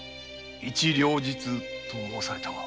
一両日と申されたが？